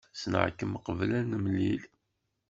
Ssneɣ-kem qbel ad nemlil.